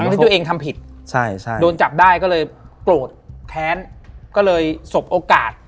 ที่ตัวเองทำผิดใช่ใช่โดนจับได้ก็เลยโกรธแค้นก็เลยสบโอกาส